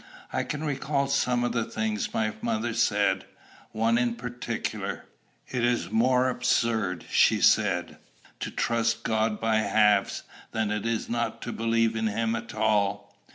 I can recall some of the things my mother said, one in particular. "It is more absurd," she said, "to trust God by halves, than it is not to believe in him at all.